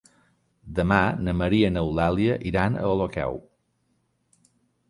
Demà na Maria i n'Eulàlia iran a Olocau.